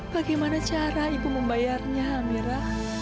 bagaimana cara ibu membayarnya mira